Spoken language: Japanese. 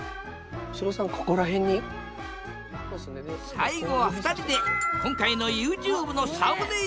最後は２人で今回のＹｏｕＴｕｂｅのサムネイルを撮影！